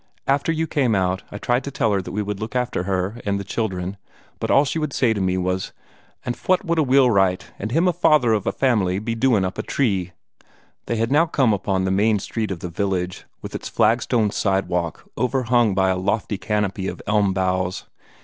After you came out, I tried to tell her that we would look out for her and the children; but all she would say to me was: 'An' fwat would a wheelwright, an' him the father of a family, be doin' up a tree?'" They had come now upon the main street of the village, with its flagstone sidewalk overhung by a lofty canopy of elm boughs.